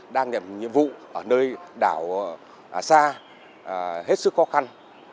đang nhận nhiệm vụ ở nơi đảo sa hết sức khó khăn